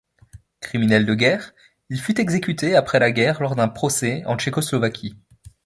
Criminel de guerre, il fut exécuté après la guerre lors d'un procès en Tchécoslovaquie.